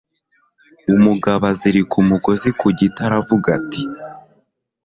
umugabo azirika umugozi ku giti, aravuga ati